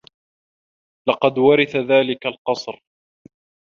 لقد ورث ذلك القصر.